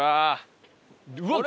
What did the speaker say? うわっ！